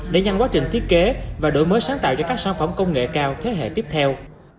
để nhanh quá trình thiết kế và đổi mới sáng tạo cho các sản phẩm công nghệ cao thế hệ tiếp theo